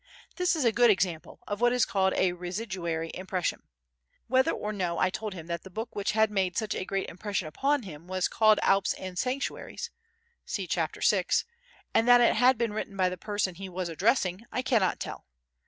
This is a good example of what is called a residuary impression. Whether or no I told him that the book which had made such a great impression upon him was called Alps and Sanctuaries (see Chap. VI), and that it had been written by the person he was addressing, I cannot tell.